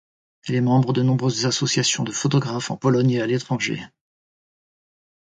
Elle est membre de nombreuses associations de photographes en Pologne et à l'étranger.